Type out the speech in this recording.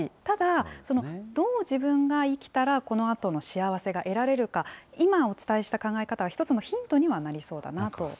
ただ、どう自分が生きたらこのあとの幸せが得られるか、今お伝えした考え方は、一つのヒントにはなりそうだなと。